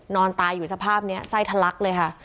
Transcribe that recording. นอนตายอยู่สภาพนี้ไส้ทะลักเลยค่ะ